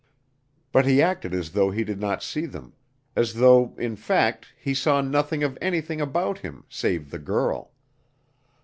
But he acted as though he did not see them as though, in fact, he saw nothing of anything about him save the girl.